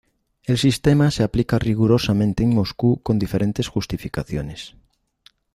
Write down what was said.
El sistema se aplica rigurosamente en Moscú con diferentes justificaciones.